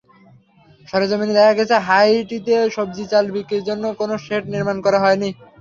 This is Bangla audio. সরেজমিনে দেখা গেছে, হাটটিতে সবজি, চাল বিক্রির জন্য কোনো শেড নির্মাণ করা হয়নি।